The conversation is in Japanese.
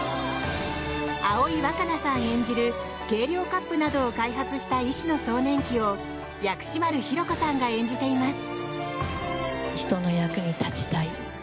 葵わかなさん演じる計量カップなどを開発した医師の壮年期を薬師丸ひろ子さんが演じています。